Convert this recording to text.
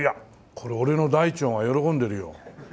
これ俺の大腸が喜んでるよ。